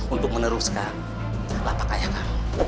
untuk meneruskan lapak ayah kamu